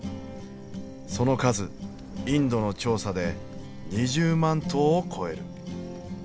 その数インドの調査で２０万頭を超える。